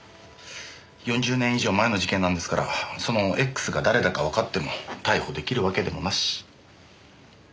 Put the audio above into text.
４０年以上前の事件なんですからそのＸが誰だかわかっても逮捕できるわけでもなし。